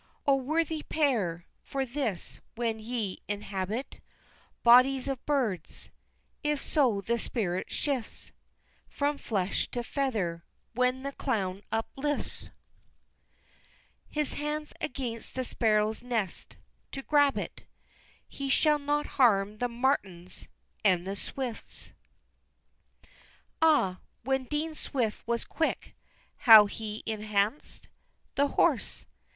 O worthy pair! for this, when ye inhabit Bodies of birds (if so the spirit shifts From flesh to feather) when the clown uplifts His hands against the sparrow's nest, to grab it, He shall not harm the MARTINS and the Swifts! IV. Ah! when Dean Swift was quick, how he enhanc'd The horse!